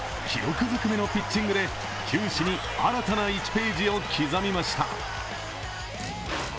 記録ずくめのピックングで球史に新たな１ページを刻みました。